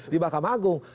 di makam agung